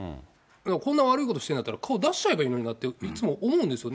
こんな悪いことしているんだったら、顔出しちゃえばいいのかなって、いつも思うんですよね。